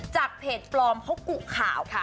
จากเพจปลอมเพราะกุข่าวค่ะ